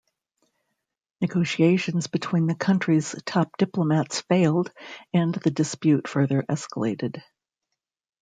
Negotiations between the countries' top diplomats failed, and the dispute further escalated.